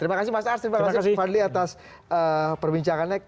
terima kasih mas ars terima kasih mas fadli atas perbincangannya